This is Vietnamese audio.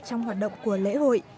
trong hoạt động của lễ hội